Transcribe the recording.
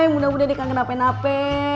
mudah mudahan dia kangen nape nape